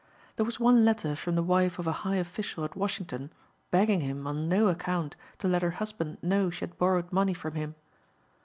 There was one letter from the wife of a high official at Washington begging him on no account to let her husband know she had borrowed money from him.